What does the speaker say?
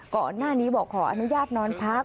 ก่อนหน้านี้บอกขออนุญาตนอนพัก